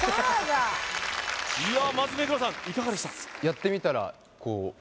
いやまず目黒さんいかがでした？